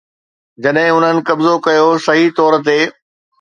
جڏهن انهن قبضو ڪيو، صحيح طور تي